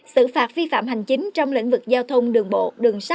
sự phạt vi phạm hành chính trong lĩnh vực giao thông đường bộ đường sắt